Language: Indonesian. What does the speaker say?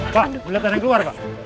pak ada bulatan yang keluar pak